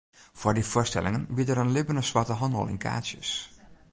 Foar dy foarstellingen wie der in libbene swarte handel yn kaartsjes.